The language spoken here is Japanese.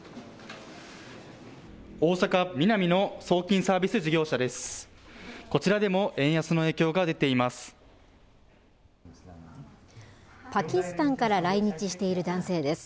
大阪・ミナミの送金サービス事業者です。